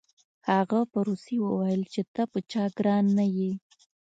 هغه په روسي وویل چې ته په چا ګران نه یې